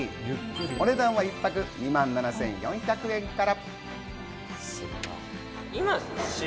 お値段は一泊２万７４００円から。